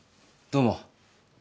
どうも。